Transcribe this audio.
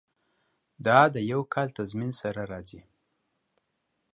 دا د یو کال تضمین سره راځي.